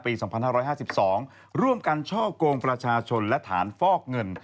ปี๒๕๕๒ร่วมกันช่อกงประชาชนและฐานฟอกเงิน